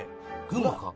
群馬か？」